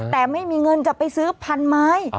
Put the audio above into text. แต่ไม่มีเงินจะไปซื้อพันไม้